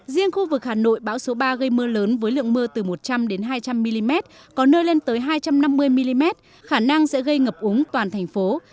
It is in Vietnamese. riêng khu vực hà nội bão số ba gây mưa lớn với lượng mưa từ một trăm linh hai trăm linh mm có nơi lên tới hai trăm năm mươi mm khả năng sẽ gây ngập úng toàn thành phố